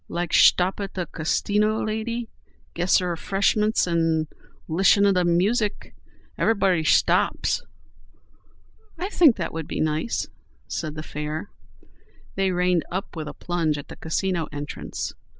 "Like shtop at the Cas sino, lady? Gezzer r'freshm's, 'n lish'n the music. Ev'body shtops." "I think that would be nice," said the fare. They reined up with a plunge at the Casino entrance.